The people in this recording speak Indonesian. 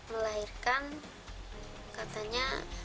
pas melahirkan katanya